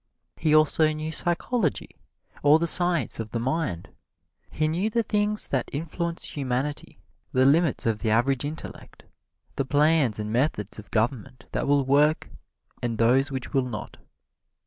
He also knew psychology, or the science of the mind: he knew the things that influence humanity, the limits of the average intellect, the plans and methods of government that will work and those which will not.